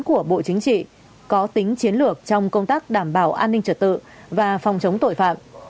của bộ chính trị có tính chiến lược trong công tác đảm bảo an ninh trật tự và phòng chống tội phạm